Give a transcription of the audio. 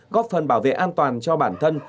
góp phần bảo vệ an toàn cho bản thân